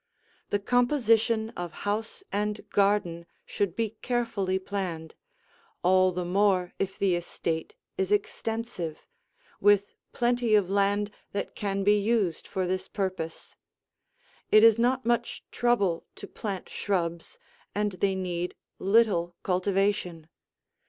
The composition of house and garden should be carefully planned, all the more if the estate is extensive, with plenty of land that can be used for this purpose. It is not much trouble to plant shrubs, and they need little cultivation.